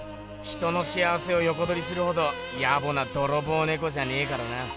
人の幸せをよこどりするほどやぼな泥棒ねこじゃねえからな。